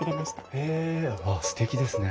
へえすてきですね。